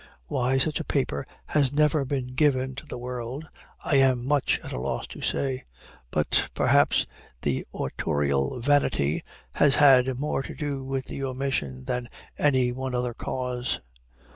Why such a paper has never been given to the world, I am much at a loss to say but, perhaps, the autorial vanity has had more to do with the omission than any one other cause.